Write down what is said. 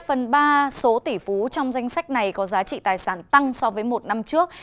hai phần ba số tỷ phú trong danh sách này có giá trị tài sản tăng so với một năm trước